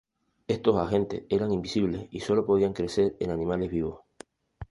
Estos agentes eran invisibles y solo podían crecer en animales vivos.